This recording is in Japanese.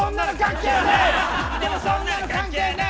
でもそんなの関係ねえ！